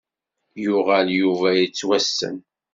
Yuɣal Yuba yettwassen.